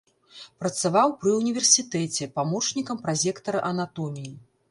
Працаваў пры ўніверсітэце памочнікам празектара анатоміі.